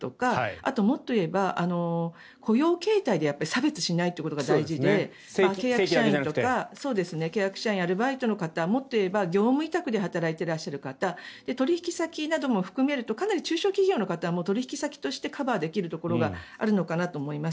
あともっと言えば雇用形態で差別しないということが大事で契約社員、アルバイトの方もっと言えば業務委託で働いていらっしゃる方取引先なども含めるとかなり中小企業の方も取引先としてカバーできるところもあるのかなと思います。